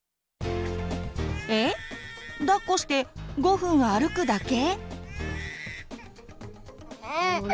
えっ⁉だっこして５分歩くだけ？